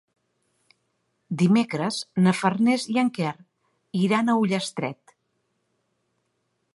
Dimecres na Farners i en Quer iran a Ullastret.